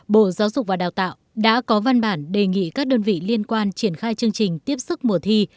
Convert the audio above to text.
bộ giáo dục và đào tạo đã có văn bản đề nghị các đơn vị liên quan triển khai chương trình tiếp sức mùa thi